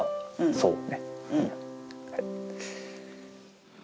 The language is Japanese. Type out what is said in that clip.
そうね。